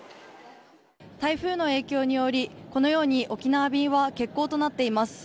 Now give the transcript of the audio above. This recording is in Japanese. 台風の影響により、このように沖縄便は欠航となっています。